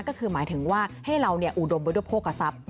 ก็คือหมายถึงว่าให้เราอุดมไปด้วยโภคทรัพย์